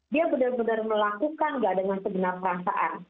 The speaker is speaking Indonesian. dia benar benar melakukan nggak dengan segenar perasaan